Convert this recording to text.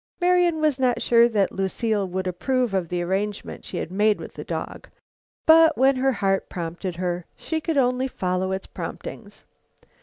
Marian was not sure that Lucile would approve of the arrangement she had made with the dog, but when her heart prompted her, she could only follow its promptings.